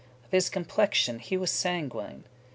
Of his complexion he was sanguine.